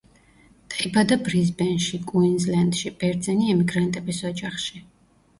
დაიბადა ბრიზბენში, კუინზლენდში, ბერძენი ემიგრანტების ოჯახში.